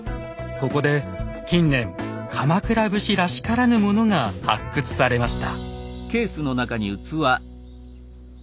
ここで近年鎌倉武士らしからぬものが発掘されました。